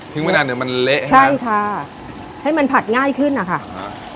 ไม่นานเดี๋ยวมันเละใช่ไหมใช่ค่ะให้มันผัดง่ายขึ้นอ่ะค่ะฮะ